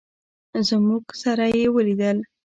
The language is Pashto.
زموږ سره یې ولیدل.